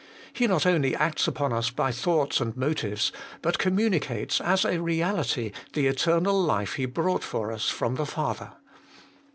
He not only acts upon us by thoughts and motives, but communicates, as a reality, the eternal life He brought for us from the Father.